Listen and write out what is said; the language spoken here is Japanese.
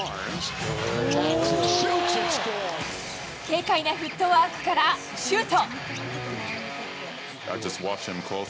軽快なフットワークからシュート。